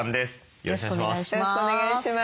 よろしくお願いします。